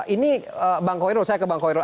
ini bang khoirul saya ke bang khoirul